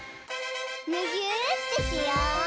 むぎゅーってしよう！